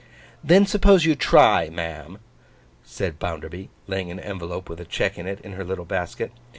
'Then suppose you try, ma'am,' said Bounderby, laying an envelope with a cheque in it in her little basket.